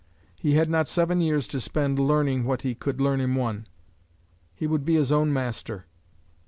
He had not seven years to spend learning what he could learn in one. He would be his own master.